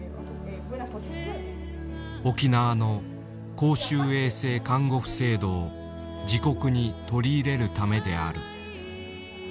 沖縄の公衆衛生看護婦制度を自国に取り入れるためである。